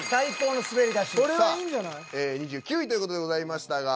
さあ２９位という事でございましたが。